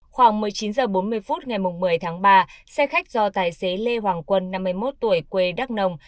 khoảng một mươi chín h bốn mươi phút ngày một mươi tháng ba xe khách do tài xế lê hoàng quân năm mươi một tuổi quê đắk nông